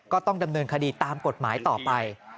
ก็ต้องดำเนินคดีตามกฎหมายต่อไป